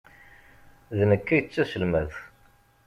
D nekk ay d taselmadt.